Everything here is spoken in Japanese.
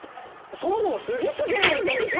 そもそも杉下警部が言ったんですよ！？